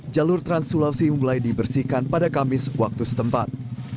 jalur transwelsi mulai dibersihkan pada kamis waktu setempat